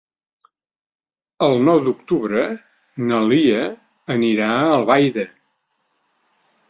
El nou d'octubre na Lia anirà a Albaida.